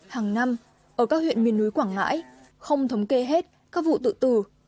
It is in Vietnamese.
hàng năm ở các huyện miền núi quảng ngãi không thống kê hết các vụ tự tử